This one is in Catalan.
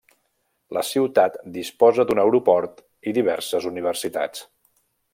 La ciutat disposa d'un aeroport i diverses universitats.